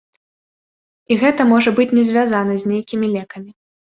І гэта можа быць не звязана з нейкімі лекамі.